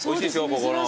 ここの。